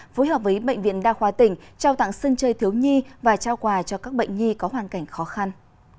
phối hợp với bệnh viện đa khoa tỉnh trao tặng sân chơi thiếu nhi và trao quà cho các bệnh nhi có hoàn cảnh khó khăn